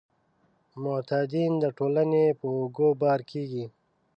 معتادین د ټولنې په اوږو بار کیږي.